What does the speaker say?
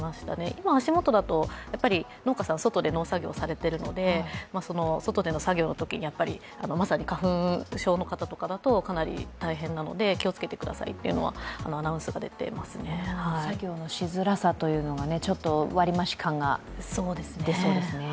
今、足もとだと、農家さん、外で作業をされてますので外での作業のときに、まさに花粉症の方とかだとかなり大変なので気をつけてくださいという作業のしづらさというのは割り増し感が出そうですね。